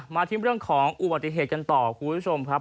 ที่เรื่องของอุบัติเหตุกันต่อคุณผู้ชมครับ